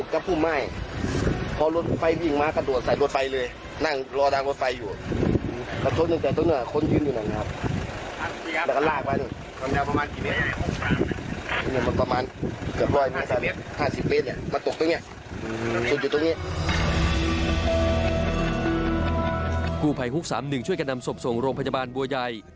กุไภฮุกสามนึงช่วยกันนำศพส่งโรงพัทยาบาลบัวยัย